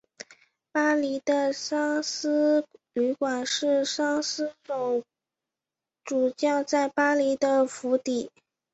巴黎的桑斯旅馆是桑斯总主教在巴黎的官邸。